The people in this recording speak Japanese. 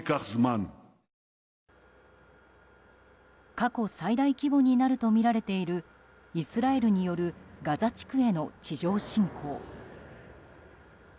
過去最大規模になるとみられているイスラエルによるガザ地区への地上侵攻。